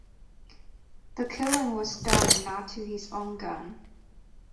The killing was done not to his own gun.